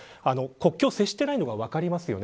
国境を接していないのが分かります。